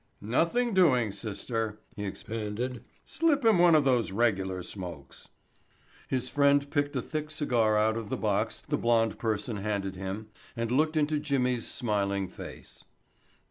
"Nothing doing, sister," he expanded. "Slip him one of those regular smokes." His friend picked a thick cigar out of the box the blonde person handed him and looked into Jimmy's smiling face.